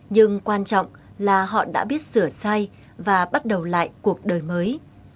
nhưng quan trọng là họ đã biết sửa sai và bắt đầu lại cuộc đời mới